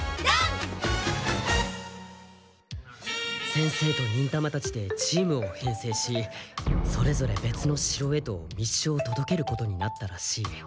先生と忍たまたちでチームを編成しそれぞれ別の城へと密書を届けることになったらしい。